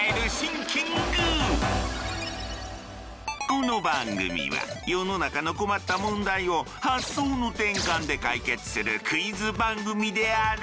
この番組は世の中の困った問題を発想の転換で解決するクイズ番組である。